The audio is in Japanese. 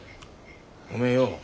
おめえよ